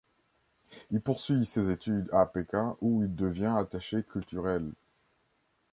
Il poursuit ses études à Pékin où il devient attaché culturel.